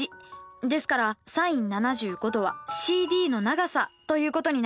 ですからｓｉｎ７５°はＣＤの長さということになりますね。